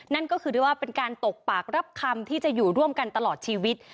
นั่นก็คือได้ว่าเป็นการตกปากรับคำที่จะอยู่ร่วมกันตลอดชีวิต